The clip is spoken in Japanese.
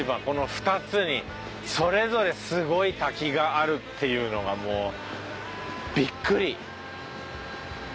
この２つにそれぞれすごい滝があるっていうのがもうビックリ！